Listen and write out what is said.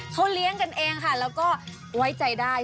เขาเลี้ยงกันเองค่ะแล้วก็ไว้ใจได้